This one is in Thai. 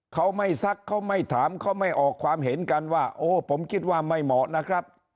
เขาไม่ซักเขาไม่ถามเขาไม่ออกความเห็นกันว่าโอ้ผมคิดว่าไม่เหมาะนะครับ